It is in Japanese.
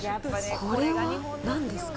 これはなんですか？